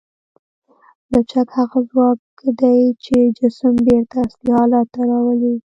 لچک هغه ځواک دی چې جسم بېرته اصلي حالت ته راولي.